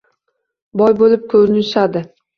. Boy bo'lib ko'rinishadi.